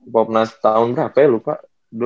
popnas tahun berapa ya lu kak